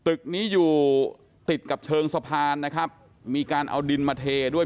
ตึกนี้อยู่ติดกับเชิงสะพานนะครับมีการเอาดินมาเทด้วย